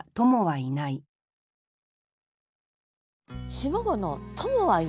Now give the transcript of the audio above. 下五の「友はいない」。